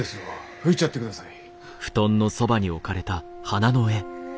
拭いちゃってください。